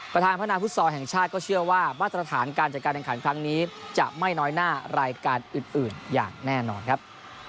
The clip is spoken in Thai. ประธานพนาฟุตซอลแห่งชาติก็เชื่อว่ามาตรฐานการจัดการแข่งขันครั้งนี้จะไม่น้อยหน้ารายการอื่นอย่างแน่นอนครับ